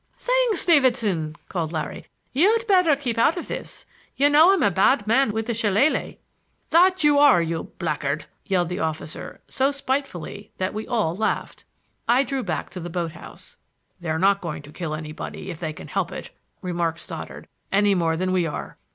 "Thanks, Davidson!" called Larry. "You'd better keep out of this. You know I'm a bad man with the shillalah!" "That you are, you blackguard!" yelled the officer, so spitefully that we all laughed. I drew back to the boat house. "They are not going to kill anybody if they can help it," remarked Stoddard, "any more than we are.